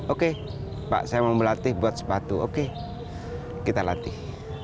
oke pak saya mau melatih buat sepatu oke kita latih